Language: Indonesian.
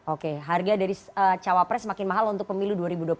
oke harga dari cawapres semakin mahal untuk pemilu dua ribu dua puluh empat